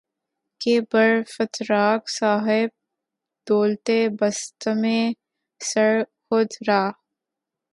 کہ بر فتراک صاحب دولتے بستم سر خود را